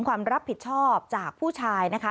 ความรับผิดชอบจากผู้ชายนะคะ